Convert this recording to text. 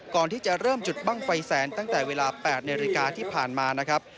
ก่อนที่จะเริ่มจุดบ้างไฟแสนตั้งแต่เวลา๘นาฬิกาที่ผ่านมานะครับ